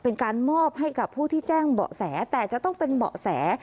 เป็นการมอบให้กับผู้ที่แจ้งเบาะแสแต่จะต้องเป็นเบาะแส